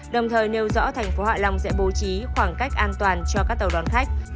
đồng thời nêu dõi tp hạ long sẽ bố trí khoảng cách an toàn cho các tàu đón khách